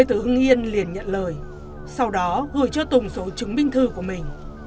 từ hưng yên liền nhận lời sau đó gửi cho tùng số chứng minh thư của mình